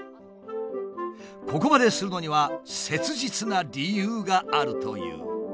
ここまでするのには切実な理由があるという。